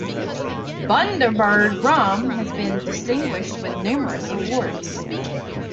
Bundaberg Rum has been distinguished with numerous awards.